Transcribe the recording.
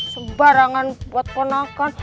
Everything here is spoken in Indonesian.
sebarangan buat ponakan